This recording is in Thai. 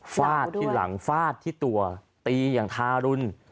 ฟาดที่หลังฟาดที่ตัวตีอย่างทารุณ